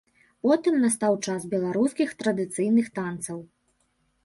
Потым настаў час беларускіх традыцыйных танцаў.